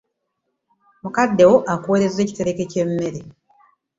Mukadde wo akuweerezza ekitereke ky'emmere.